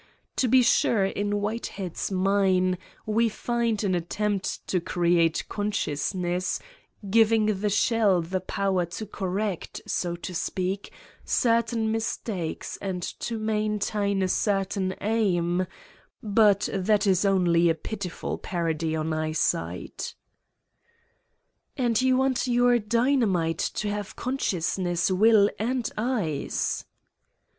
To be sure, in Whitehead's mine we find an attempt to create consciousness, giving the shell the power to cor rect, so to speak, certain mistakes and to maintain a certain aim, but that is only a pitiful parody on eyesight. ...' "And you want your 'dynamite' to have con sciousness, will and eyes!"